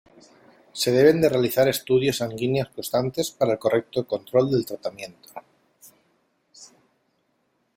Se deben de realizar estudios sanguíneos constantes para el correcto control del tratamiento.